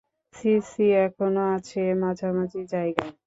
CC এখনো আছে মাঝামাঝি জায়গায়।